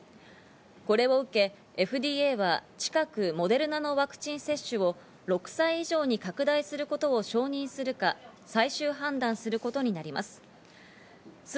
これを受けＦＤＡは近く、モデルナのワクチン接種を６歳以上に拡大することを承認するか、最終判断することになります。